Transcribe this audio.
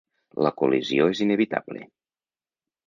La col·lisió és inevitable.